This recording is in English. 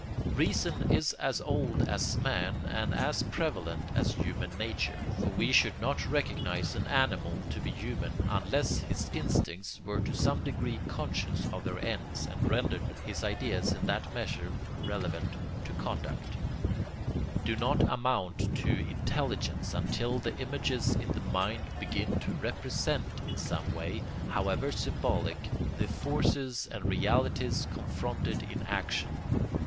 Reason is as old as man and as prevalent as human nature; for we should not recognise an animal to be human unless his instincts were to some degree conscious of their ends and rendered his ideas in that measure relevant to conduct. Many sensations, or even a whole world of dreams, do not amount to intelligence until the images in the mind begin to represent in some way, however symbolic, the forces and realities confronted in action.